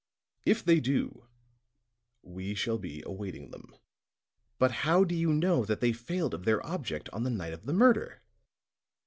If they do, we shall be awaiting them." "But how do you know that they failed of their object on the night of the murder?"